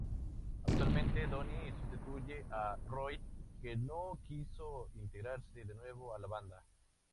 Actualmente Donny sustituye a Roy, que no quiso integrarse de nuevo a la banda.